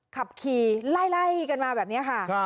ขับขี่ไล่กันมาแบบนี้ค่ะ